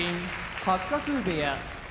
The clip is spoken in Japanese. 八角部屋